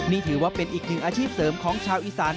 นี่ถือว่าเป็นอีกหนึ่งอาชีพเสริมของชาวอีสาน